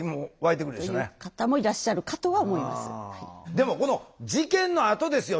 でもこの事件のあとですよ